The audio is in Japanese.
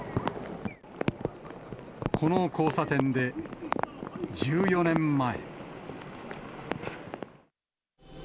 この交差点で１４年前。